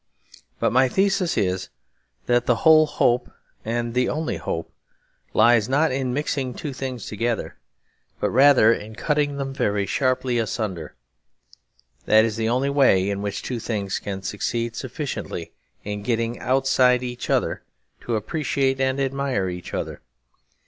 But my thesis is that the whole hope, and the only hope, lies not in mixing two things together, but rather in cutting them very sharply asunder. That is the only way in which two things can succeed sufficiently in getting outside each other to appreciate and admire each other.